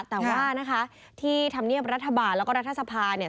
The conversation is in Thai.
แต่ว่านะคะที่ธรรมเนียบรัฐบาลแล้วก็รัฐสภาเนี่ย